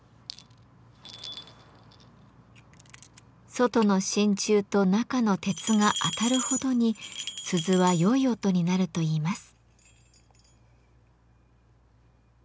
外の真鍮と中の鉄が当たるほどに鈴は良い音になるといいます。